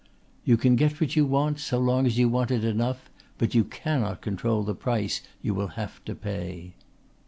"You can get what you want, so long as you want it enough, but you cannot control the price you will have to pay."